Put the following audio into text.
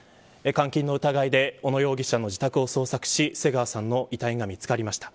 監禁の疑いで小野容疑者の自宅を捜索し瀬川さんの遺体が見つかりました。